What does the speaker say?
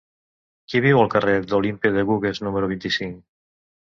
Qui viu al carrer d'Olympe de Gouges número vint-i-cinc?